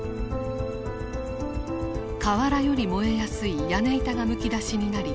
瓦より燃えやすい屋根板がむき出しになり